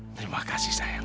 terima kasih sayang